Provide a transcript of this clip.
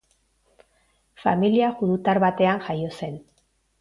Familia judutar batean jaio zen.